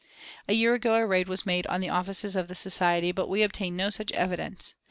A year ago a raid was made on the offices of the society, but we obtained no such evidence.